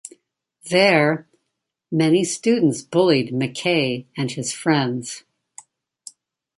There, many students bullied MacKaye and his friends.